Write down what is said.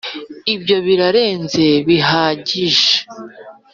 ibyo birarenze bihagije.